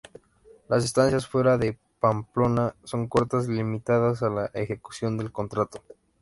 Las estancias fuera de Pamplona son cortas, limitadas a la ejecución del contrato.